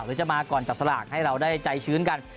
หรือจะมาก่อนจับสลากให้เราได้ใจชื้นกัน